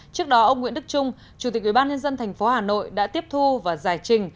trước đó ông nguyễn đức trung chủ tịch ubnd tp hà nội đã tiếp thu và giải trình